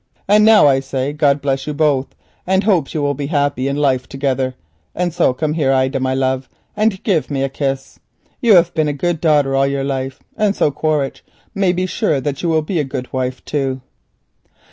And so I say God bless you both, and I hope you will be happy in life together; and now come here, Ida, my love, and give me a kiss. You have been a good daughter all your life, and so Quaritch may be sure that you will be a good wife too."